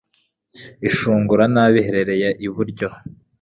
ishungura nabi uhereye iburyo